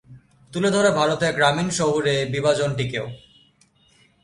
তুলে ধরে ভারতের গ্রামীণ-শহুরে বিভাজনটিকেও।